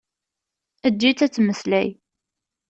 Eǧǧ-itt ad tmeslay!